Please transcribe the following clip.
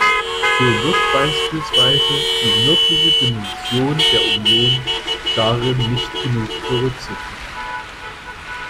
So wird beispielsweise die nördliche Dimension der Union darin nicht genug berücksichtigt.